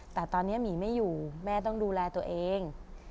แต่ตอนนี้หมีไม่อยู่แม่ต้องดูแลตัวเอง